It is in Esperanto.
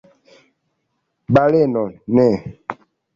Baleno: "Ne."